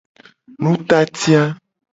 Nutati a.